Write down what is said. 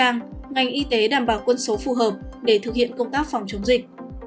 ngành y tế đảm bảo quân số phù hợp để thực hiện công tác phòng chống dịch